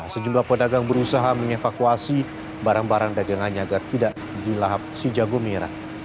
sejumlah pedagang berusaha mengevakuasi barang barang dagangannya agar tidak dilahap si jago merah